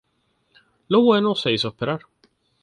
Lo bueno se hizo esperar.